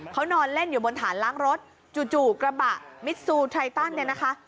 เขานอนเล่นอยู่บนฐานล้างรถจู่กระบะมิดซูไทตันเนี่ยนะคะ